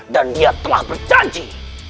dan dia telah berjanji